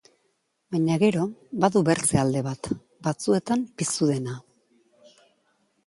Baina gero, badu bertze alde bat, batzuetan pizu dena.